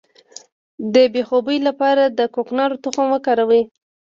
د بې خوبۍ لپاره د کوکنارو تخم وکاروئ